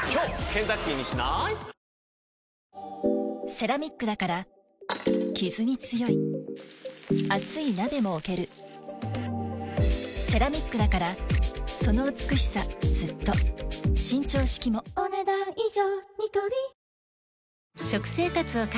セラミックだからキズに強い熱い鍋も置けるセラミックだからその美しさずっと伸長式もお、ねだん以上。